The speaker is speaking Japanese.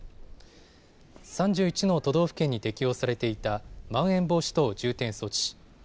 ３１の都道府県に適用されていたまん延防止等重点措置。